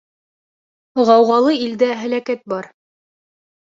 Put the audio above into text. Ғауғалы илдә һәләкәт бар.